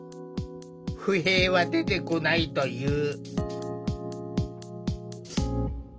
不平は出てこないという。